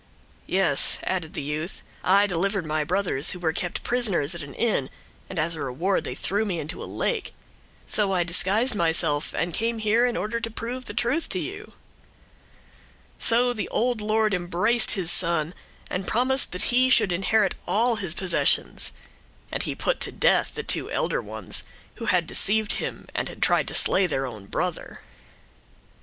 "Yes," added the youth, "I delivered my brothers, who were kept prisoners in an inn, and as a reward they threw me into a lake. So I disguised myself and came here in order to prove the truth to you. So the old lord embraced his son and promised that he should inherit all his possessions, and he put to death the two elder ones, who had deceived him and had tried to slay their own brother.